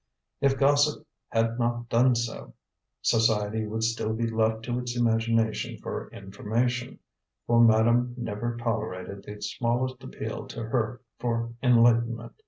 If gossip had not done so, society would still be left to its imagination for information, for madame never tolerated the smallest appeal to her for enlightenment.